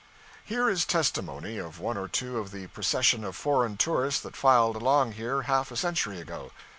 Here is testimony of one or two of the procession of foreign tourists that filed along here half a century ago.